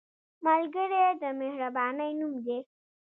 ملګری د مهربانۍ نوم دی